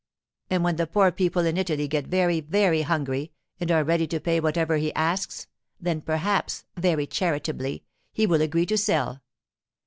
And when the poor people in Italy get very, very hungry, and are ready to pay whatever he asks, then perhaps—very charitably—he will agree to sell.